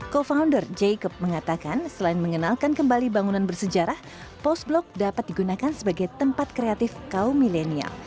co founder jacob mengatakan selain mengenalkan kembali bangunan bersejarah post blok dapat digunakan sebagai tempat kreatif kaum milenial